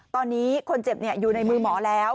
ตอนนี้คนเจ็บอยู่ในมือหมอแล้ว